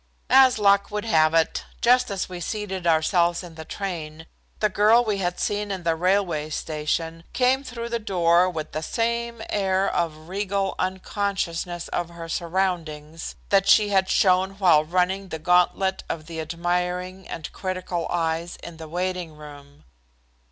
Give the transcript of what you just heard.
As luck would have it, just as we seated ourselves in the train, the girl we had seen in the railway station came through the door with the same air of regal unconsciousness of her surroundings that she had shown while running the gauntlet of the admiring and critical eyes in the waiting room.